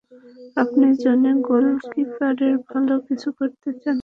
আপনি যদি গোলকিপিংয়ে ভালো কিছু করতে চান তাহলে গোলকিপার কোচ লাগবেই।